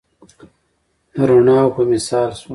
د روڼاوو په مثال شوم